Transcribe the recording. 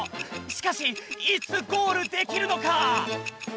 しかしいつゴールできるのか？